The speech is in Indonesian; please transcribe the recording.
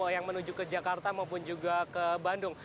yang menuju ke jakarta maupun juga ke bandung